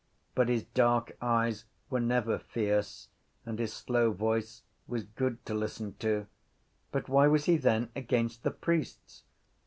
But his dark eyes were never fierce and his slow voice was good to listen to. But why was he then against the priests?